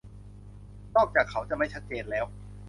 นอกจากเขาจะไม่ชัดเจนแล้ว